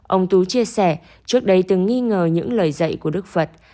ông tú chia sẻ trước đây từng nghi ngờ những lời dạy của đức phật